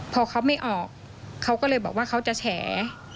พอเขาไม่ออกเขาก็เลยบอกว่าเขาจะแฉ